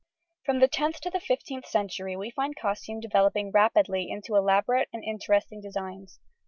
From the 10th to the 15th century, we find costume developing rapidly into elaborate and interesting designs.